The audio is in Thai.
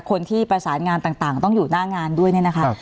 คนที่ประสานงานต่างต้องอยู่หน้างานด้วยเนี่ยนะคะ